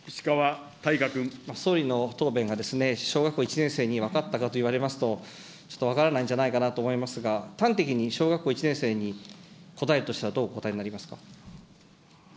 総理の答弁がですね、小学校１年生に分かったかといわれますと、ちょっと分からないんじゃないかなと思いますが、端的に、小学校１年生に答えとしては、どうお答えになりますか。